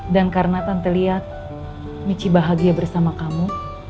dan karena tante lihat michi bahagia bersama kamu